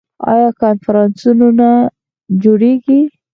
آیا کنفرانسونه جوړیږي؟